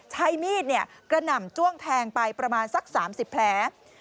ใช้มีดกระหน่ำจ้วงแทงไปประมาณสัก๓๐แผล